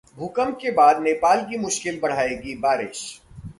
भूकंप के बाद नेपाल की मुश्किल बढ़ाएगी बारिश